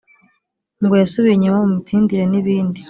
ngo yasubiye inyuma mu mitsindire n’ibindi.